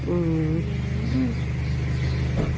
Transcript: อือหมอนี่